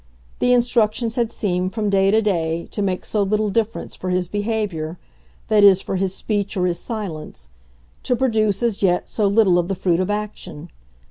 The instructions had seemed, from day to day, to make so little difference for his behaviour that is for his speech or his silence; to produce, as yet, so little of the fruit of action.